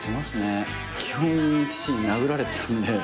基本父に殴られてたんで。